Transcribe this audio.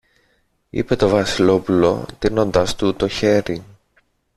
είπε το Βασιλόπουλο τείνοντας του το χέρι.